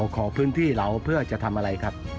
ขอพื้นที่เราเพื่อจะทำอะไรครับ